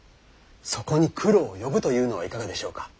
そこに九郎を呼ぶというのはいかがでしょうか。